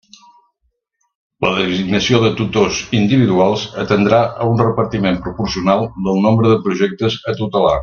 La designació de tutors individuals atendrà a un repartiment proporcional del nombre de projectes a tutelar.